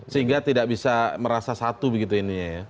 sehingga tidak bisa merasa satu begitu ininya ya